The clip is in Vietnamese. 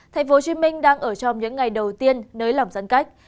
thành phố hồ chí minh đang ở trong những ngày đầu tiên nới lỏng giãn cách